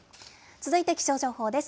続いて気象情報です。